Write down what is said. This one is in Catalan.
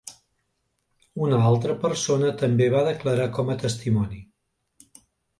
Una altra persona també va declarar com a testimoni.